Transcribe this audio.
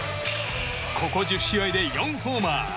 ここ１０試合で４ホーマー。